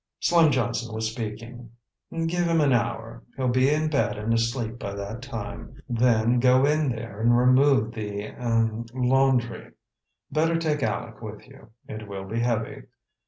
Slim Johnson was speaking: "Give him an hour. He'll be in bed and asleep by that time. Then go in there and remove the—er—laundry. Better take Alec with you. It will be heavy.